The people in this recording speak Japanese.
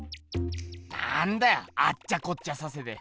なんだよあっちゃこっちゃさせて。